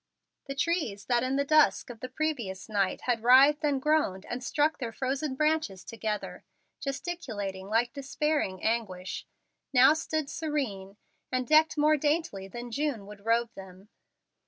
The trees that in the dusk of the previous night had writhed and groaned and struck their frozen branches together, gesticulating like despairing anguish, now stood serene, and decked more daintily than June would robe them.